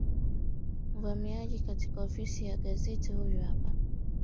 iivamia katika ofisi ya gazeti huyo hapo jana na kumkamata bwana